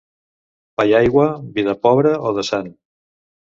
Pa i aigua, vida pobra o de sant.